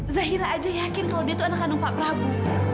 zahira aja yakin kalau dia itu anak kandung pak prabowo